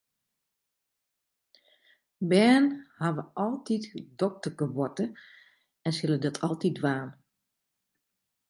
Bern hawwe altyd dokterkeboarte en sille dat altyd dwaan.